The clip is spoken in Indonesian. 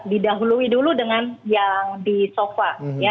didahului dulu dengan yang di sofa